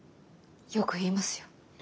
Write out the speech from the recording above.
よく言いますよ。